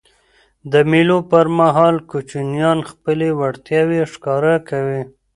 د مېلو پر مهال کوچنيان خپلي وړتیاوي ښکاره کوي.